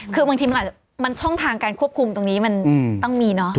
คือบางทีมันอาจจะมันช่องทางการควบคุมตรงนี้มันต้องมีเนอะ